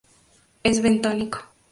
Es bentónico.